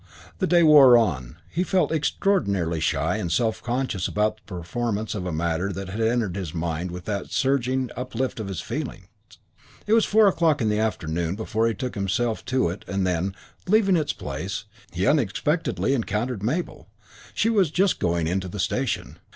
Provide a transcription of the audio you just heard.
The day wore on. He felt extraordinarily shy and self conscious about the performance of a matter that had entered his mind with that surging uplift of his feelings. It was four o'clock in the afternoon before he took himself to it and then, leaving its place, he unexpectedly encountered Mabel. She was just going into the station.